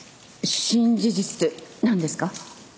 新事実って何ですか？